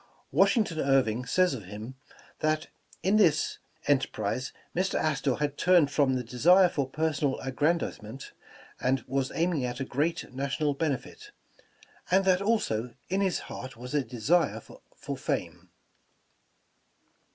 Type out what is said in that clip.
Washington Irving says of him, that in this enterprise Mr. Astor had turned from the desire for personal aggrandizement, and was aiming at a great national benefit, and that also, in his heart was a desire for fame.